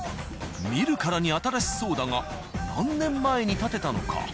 見るからに新しそうだが何年前に建てたのか。